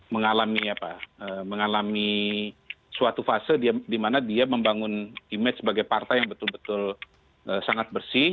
mengalami suatu fase di mana dia membangun image sebagai partai yang betul betul sangat bersih